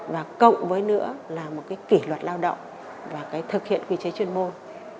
và cộng với nữa là một cái kỷ luật lao động và cái thực hiện quy chế chuyên môn